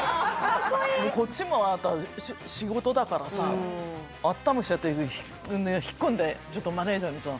こっちもあなた仕事だからさ頭きちゃって引っ込んでちょっとマネジャーにさ。